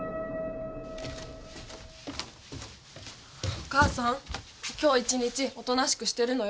お母さん今日一日おとなしくしてるのよ。